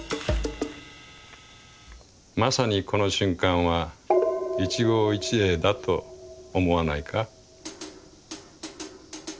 「まさにこの瞬間は『一期一会』だと思わないか？」。